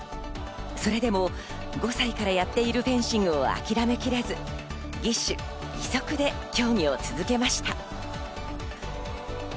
それでも５歳からやっているフェンシングを諦めきれず義手義足で競技を続けました。